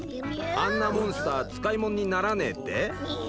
あんなモンスター使いもんにならねえって？